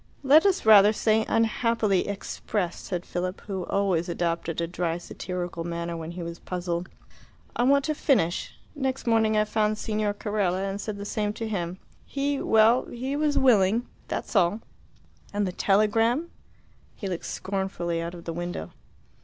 "Let us rather say unhappily expressed," said Philip, who always adopted a dry satirical manner when he was puzzled. "I want to finish. Next morning I found Signor Carella and said the same to him. He well, he was willing. That's all." "And the telegram?" He looked scornfully out of the window.